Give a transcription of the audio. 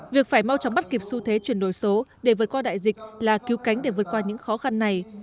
việc phải mau chóng bắt kịp xu thế chuyển đổi số để vượt qua đại dịch là cứu cánh để vượt qua những khó khăn này